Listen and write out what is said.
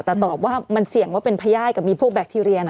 แต่ตอบว่ามันเสี่ยงว่าเป็นพญาติกับมีพวกแบคทีเรียน